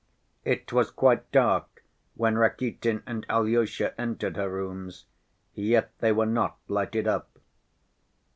It was quite dark when Rakitin and Alyosha entered her rooms, yet they were not lighted up.